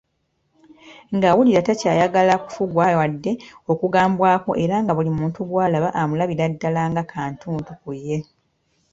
Ng'awulira takyayagala kufugwa wadde okugambwako era nga buli muntu gwalaba alabira ddala nga kantuntu ku ye.